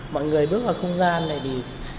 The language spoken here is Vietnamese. mọi người bước vào không gian này thì